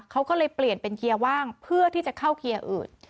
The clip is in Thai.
เขาก็เลยเปลี่ยนเป็นเกียร์ว่างเพื่อที่จะเข้าเกียร์อื่น